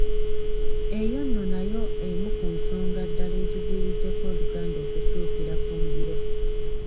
Eyo nno nayo emu ku nsonga ddala eziviiriddeko Oluganda okukyukira ku mbiro